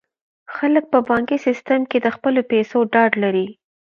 خلک په بانکي سیستم کې د خپلو پیسو ډاډ لري.